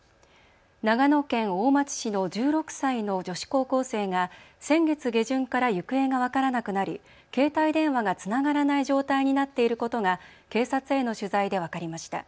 長野県大町市の１６歳の女子高校生が先月下旬から行方が分からなくなり携帯電話がつながらない状態になっていることが警察への取材で分かりました。